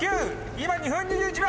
今２分２１秒！